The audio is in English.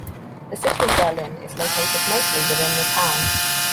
The City of Berlin is located mostly within the town.